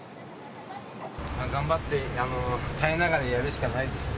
まあ頑張って、耐えながらやるしかないですね。